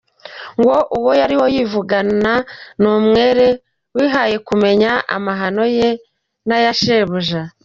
Ngo uwo yariho yivugana ni umwera wihaye kumenya amahano ye n’aya shebuja?